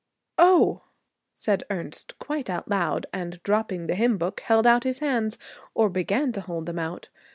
'Oh!' said Ernest, quite out loud; and, dropping the hymn book, held out his hands, or began to hold them out.